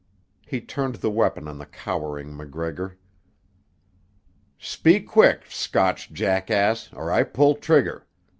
He turned the weapon on the cowering MacGregor. "Speak quick, Scotch jackass, or I pull trigger.